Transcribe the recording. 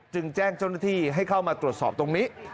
แจ้งเจ้าหน้าที่ให้เข้ามาตรวจสอบตรงนี้